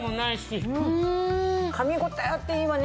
かみ応えあっていいわね。